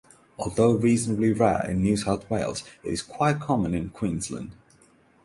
Although reasonably rae in New south Wales it is quite common in Queensland.